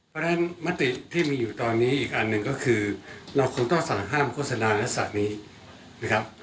เพราะฉะนั้นมติที่มีอยู่ตอนนี้อีกอันหนึ่งก็คือเราควรต้องสั่งห้ามโฆษณาลักษณะนี้นะครับ